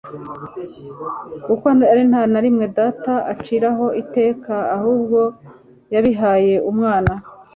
“Kuko ari nta n’umwe Data aciraho iteka, ahubwo yabihaye Umwana